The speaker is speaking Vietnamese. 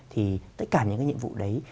thì tất cả những nhiệm vụ đấy